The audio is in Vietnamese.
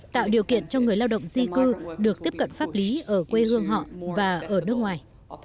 tạo điều kiện cho người lao động di cư được tiếp cận pháp lý ở quê hương họ và ở nước ngoài